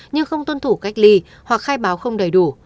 nhưng không tuân thủ cách ly hoặc khai báo không đầy đủ